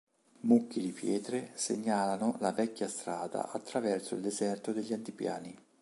Mucchi di pietre segnalano la vecchia strada attraverso il deserto degli altipiani.